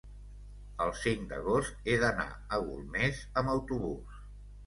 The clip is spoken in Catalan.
el cinc d'agost he d'anar a Golmés amb autobús.